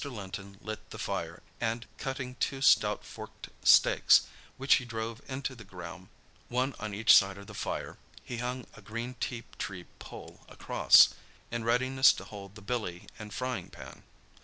Linton lit the fire, and cutting two stout forked stakes, which he drove into the ground, one on each side of the fire, he hung a green ti tree pole across, in readiness to hold the billy and frying pan.